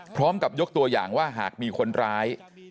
พร้อมกับยกตัวอย่างว่าหากมีคนร้าย